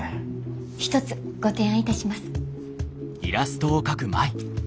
一つご提案いたします。